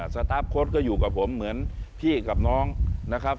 สตาร์ฟโค้ดก็อยู่กับผมเหมือนพี่กับน้องนะครับ